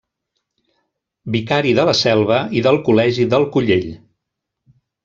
Vicari de la Selva i del col·legi del Collell.